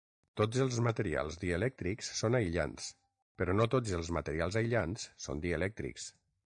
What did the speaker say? Tots els materials dielèctrics són aïllants però no tots els materials aïllants són dielèctrics.